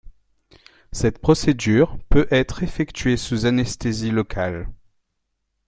Cette procédure peut être effectuée sous anesthésie locale.